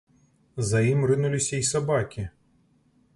За ім рынуліся і сабакі.